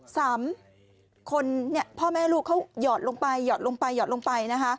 สามคนพ่อแม่ลูกเขาหยอดลงไปนะคะ